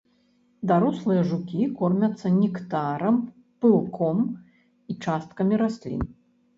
Дарослыя жукі кормяцца нектарам, пылком, і часткамі раслін.